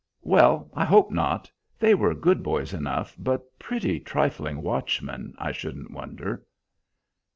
"Well, I hope not. They were good boys enough, but pretty trifling watchmen, I shouldn't wonder."